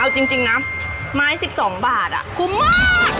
เอาจริงนะไม้๑๒บาทคุ้มมาก